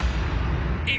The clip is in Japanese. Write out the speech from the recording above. え？